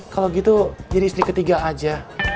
kalau gitu jadi istri ketiga aja